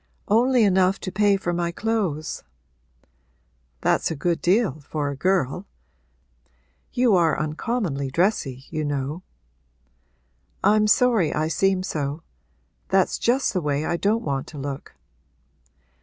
'Only enough to pay for my clothes.' 'That's a good deal, for a girl. You are uncommonly dressy, you know.' 'I'm sorry I seem so. That's just the way I don't want to look.'